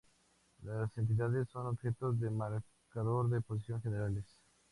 Las entidades son objetos de marcador de posición generales.